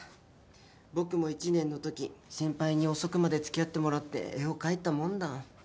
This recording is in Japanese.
僕も１年のとき先輩に遅くまで付き合ってもらって絵を描いたもんだ。